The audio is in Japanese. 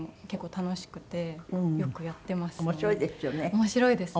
面白いですね。